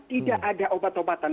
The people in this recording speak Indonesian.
tidak ada obat obatan